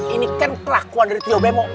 ini kan kelakuan dari tio bemo